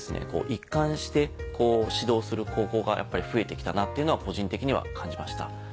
一貫して指導する高校が増えてきたなっていうのは個人的には感じました。